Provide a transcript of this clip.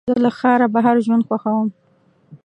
زه له ښاره بهر ژوند خوښوم.